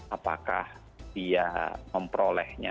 apakah dia memperolehnya